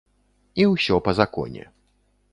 І ўсё па законе.